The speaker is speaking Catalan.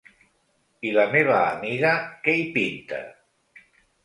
I la meva amiga, què hi pinta?